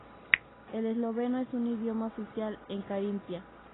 El esloveno es un idioma oficial en Carintia.